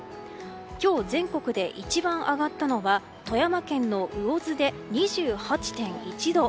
今日、全国で一番上がったのは富山県の魚津で２８．１度。